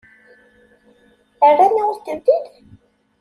Rran-awen-tent-id?